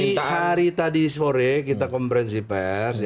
kita hari tadi sore kita komprensi pers